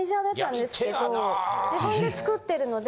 自分で作ってるので。